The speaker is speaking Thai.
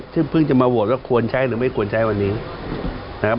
ซึ่งเพิ่งจะมาโหวตว่าควรใช้หรือไม่ควรใช้วันนี้นะครับ